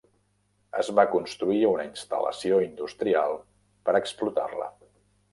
Es va construir una instal·lació industrial per explotar-la.